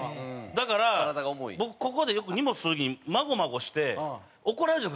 だから僕ここでよく荷物取る時にまごまごして怒られるんです